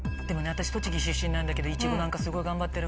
私栃木出身なんだけど。